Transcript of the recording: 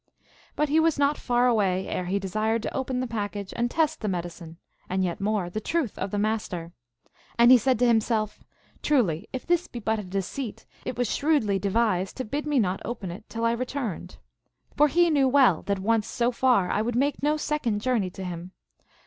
But he was not far away ere he desired to open the package and test the medicine, and, yet more, the truth of the Master. And he said to himself, " Truly, if this be but a deceit it was shrewdly devised to bid me not open it till I returned. For he knew well that once so far I would make no second journey to him.